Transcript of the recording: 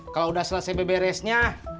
kalau udah selesai beberesnya